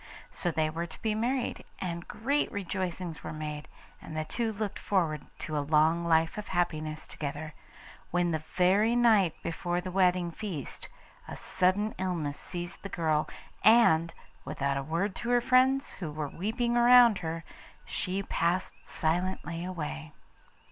So they were to be married, and great rejoicings were made, and the two looked forward to a long life of happiness together, when the very night before the wedding feast a sudden illness seized the girl, and, without a word to her friends who were weeping round her, she passed silently away.